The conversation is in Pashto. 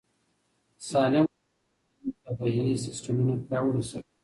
سالم خواړه د بدن طبیعي سیستمونه پیاوړي ساتي.